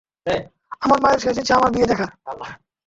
আমার মায়ের শেষ ইচ্ছা আমার বিয়ে দেখার।